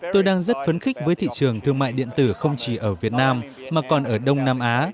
tôi đang rất phấn khích với thị trường thương mại điện tử không chỉ ở việt nam mà còn ở đông nam á